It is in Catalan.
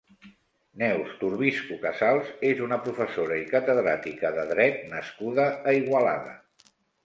Neus Torbisco-Casals és una professora i catedràtica de dret nascuda a Igualada.